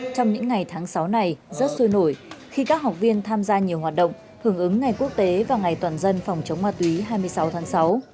trong những ngày tháng sáu này rất sôi nổi khi các học viên tham gia nhiều hoạt động hưởng ứng ngày quốc tế và ngày toàn dân phòng chống ma túy hai mươi sáu tháng sáu